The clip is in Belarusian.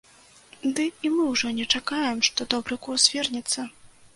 Ды і мы ўжо не чакаем, што добры курс вернецца.